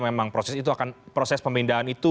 memang proses itu akan proses pemindahan itu